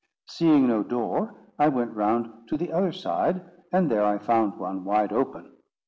Seeing no door, I went round to the other side, and there I found one, wide open.